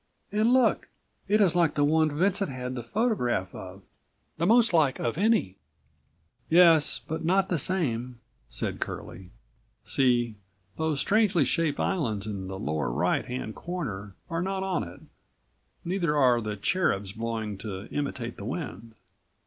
And look! It is like the one Vincent had the photograph of; the most like of any." "Yes, but not the same," said Curlie. "See, those strangely shaped islands in the lower, right hand corner are not on it; neither are the cherubs blowing to imitate the wind."